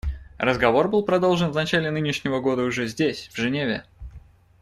Разговор был продолжен в начале нынешнего года уже здесь, в Женеве.